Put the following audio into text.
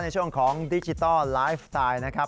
ในช่วงของดิจิทัลไลฟ์สไตล์นะครับ